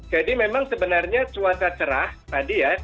memang sebenarnya cuaca cerah tadi ya